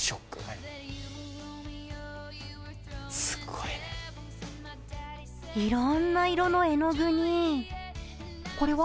いろんな色の絵の具にこれは？